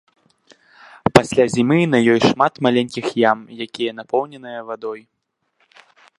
Пасля зімы на ёй шмат маленькіх ям, якія напоўненыя вадой.